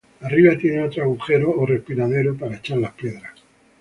Arriba tiene otro agujero o respiradero, para echar las piedras.